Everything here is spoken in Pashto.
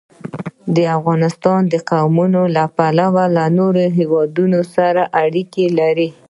افغانستان د قومونه له پلوه له نورو هېوادونو سره اړیکې لري.